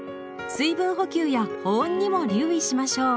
水分補給や保温にも留意しましょう。